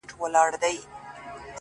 • چا ویل دا چي ـ ژوندون آسان دی ـ